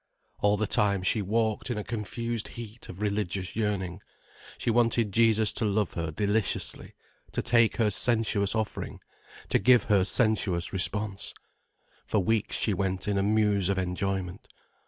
All the time she walked in a confused heat of religious yearning. She wanted Jesus to love her deliciously, to take her sensuous offering, to give her sensuous response. For weeks she went in a muse of enjoyment.